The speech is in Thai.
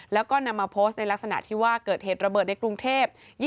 แล้วก็นำมาโพสต์ในลักษณะที่ว่าเกิดเหตุระเบิดในกรุงเทพ